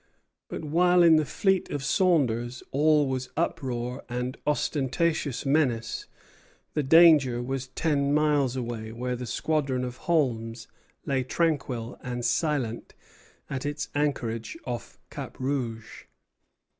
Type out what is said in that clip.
But while in the fleet of Saunders all was uproar and ostentatious menace, the danger was ten miles away, where the squadron of Holmes lay tranquil and silent at its anchorage off Cap Rouge.